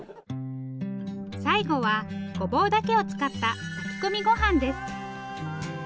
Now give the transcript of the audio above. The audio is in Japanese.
最後はごぼうだけを使った炊き込みごはんです。